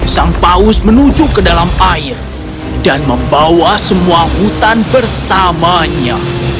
sang paus menuju ke dalam air dan membawa semua hutan bersamanya